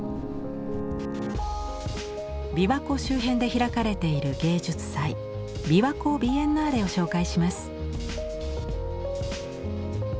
琵琶湖周辺で開かれている芸術祭「ＢＩＷＡＫＯビエンナーレ」を紹介します。